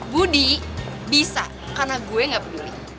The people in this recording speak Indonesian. budi bisa karena gue gak peduli